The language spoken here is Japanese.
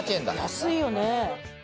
安いよね。